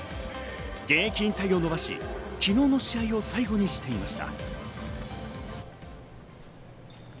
現役引退を延ばし、昨日の試合を最後にしていました。